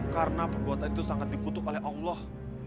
karena perbuatan itu sangat dikutuk oleh allah